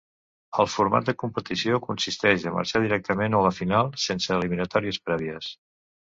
El format de competició consisteix a marxar directament a la final, sense eliminatòries prèvies.